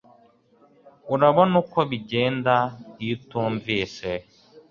Urabona uko bigenda iyo utumvise